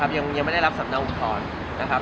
ยังไม่ได้รับศัพท์นะแม่งอุทธรรย์